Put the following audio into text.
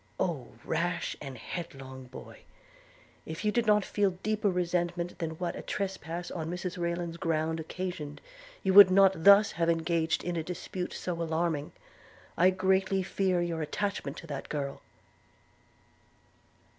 Oh rash and headlong boy! – if you did not feel deeper resentment than what a trespass on Mrs Rayland's grounds occasioned, you would not thus have engaged in a dispute so alarming. I greatly fear your attachment to that girl.'